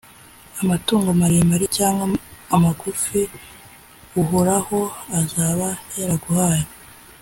amatungo maremare cyangwa amagufi uhoraho azaba yaraguhaye,